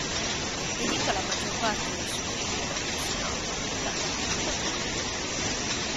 Dedicò la maggior parte del suo tempo da pensionato pubblicando antichi papiri.